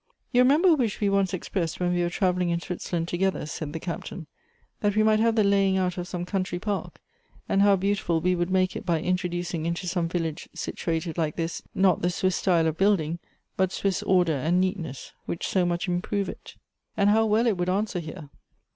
" You remember a wish we once expressed when we were travelling in Switzerland together," said the Captain, " that we might have the laying out some country park, and how beautiful we would make it by introducing into some village situated like this, not the Swiss style of building, but the Swiss order and neatness which so much improve it." "And how well it would answer here!